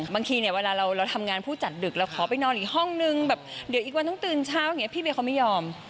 บางทีเนี่ยเวลาเราทำงานผู้จัดดึกเราขอไปนอนอีกห้องนึงแบบเดี๋ยวอีกวันต้องตื่นเช้าอย่างนี้พี่เวย์เขาไม่ยอม